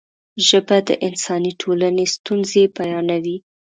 ژبه د انساني ټولنې ستونزې بیانوي.